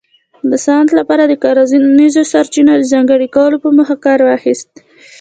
د صنعت لپاره د کرنیزو سرچینو د ځانګړي کولو په موخه کار واخیست